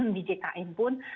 di jkn pun